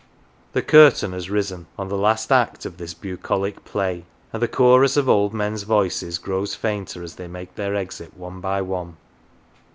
The curtain has risen on the last act of this bucolic play, and the chorus of old men's voices grows fainter as they make their exit one by one.